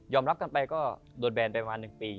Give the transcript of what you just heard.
รับกันไปก็โดนแบนไปประมาณ๑ปี